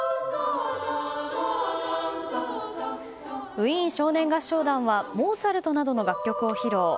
ウィーン少年合唱団はモーツァルトなどの楽曲を披露。